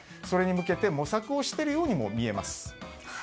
それに向けて模索をしているようにも見えます。